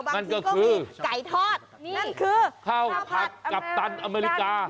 มันก็มีไก่ทอดนี่คือข้าวผัดกัปตันอเมริกา